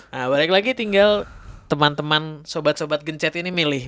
nah balik lagi tinggal teman teman sobat sobat gencet ini milih